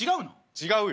違うよ。